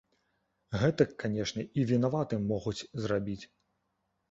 Гэтак, канешне, і вінаватым могуць зрабіць.